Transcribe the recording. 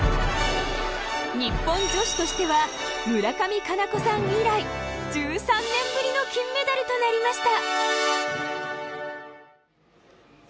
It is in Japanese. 日本女子としては村上佳菜子さん以来１３年ぶりの金メダルとなりました。